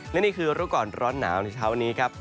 และนี่คือรู้ก่อนร้อนหนาวในเช้านี้ครับ